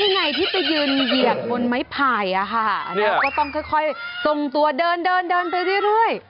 นี่ไงที่ไปหยุดเหยียบบนไม้ไผ่อะค่ะเขาต้องค่อยตรงตัวเดินเดินไปเรื่อย